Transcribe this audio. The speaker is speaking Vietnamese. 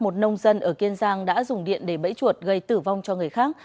tỉnh kiên giang đã dùng điện để bẫy chuột gây tử vong cho người khác